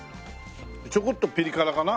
ちょこっとピリ辛かな。